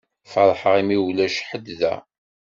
Ferḥeɣ imi ulac ḥedd da.